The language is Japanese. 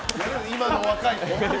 今の若い子。